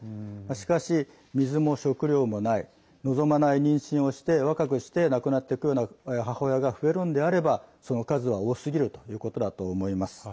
しかし、水も食料もない望まない妊娠をして若くして亡くなっていくような母親が増えるのであればその数は多すぎるということだと思います。